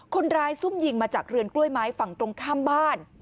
ซุ่มยิงมาจากเรือนกล้วยไม้ฝั่งตรงข้ามบ้าน